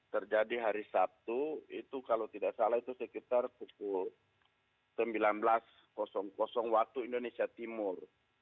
terjadi hari sabtu itu kalau tidak salah itu sekitar pukul sembilan belas waktu indonesia timur